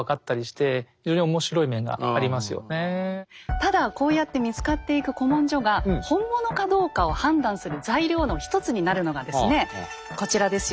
ただこうやって見つかっていく古文書が本物かどうかを判断する材料の一つになるのがですねこちらですよ。